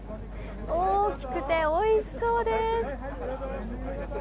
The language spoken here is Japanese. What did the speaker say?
大きくておいしそうです！